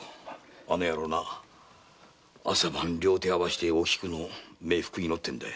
あの野郎朝晩両手を合わせておきくの冥福を祈ってるんだ。